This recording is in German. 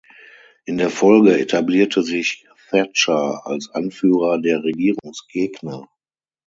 In der Folge etablierte sich Thatcher als Anführer der Regierungsgegner.